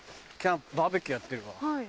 バーベキューやってるわ。